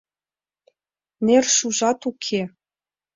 — Нер шужат уке!